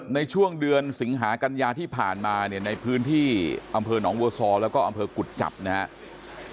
ในช่วงเดือนสิงหากัญญาที่ผ่านมาเนี่ยในพื้นที่อำเภอหนองบัวซอแล้วก็อำเภอกุจจับนะครับ